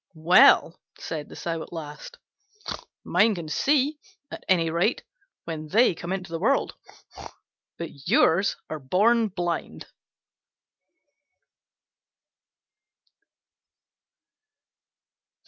"Well," said the Sow at last, "mine can see, at any rate, when they come into the world: but yours are born blind."